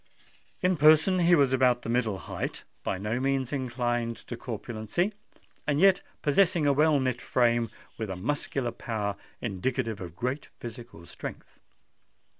In person he was about the middle height—by no means inclined to corpulency—and yet possessing a well knit frame, with a muscular power indicative of great physical strength.